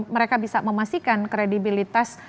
mereka bisa memastikan kredibilitas